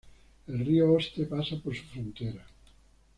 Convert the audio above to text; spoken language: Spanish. El río Oste pasa por su frontera.